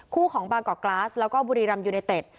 ผู้ของบางกอกกลาสและบุรีรำยูเนตเต็ด